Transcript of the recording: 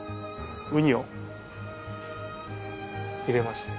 ウニを入れまして。